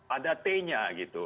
ada t nya gitu